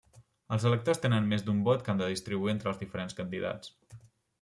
Els electors tenen més d'un vot que han de distribuir entre els diferents candidats.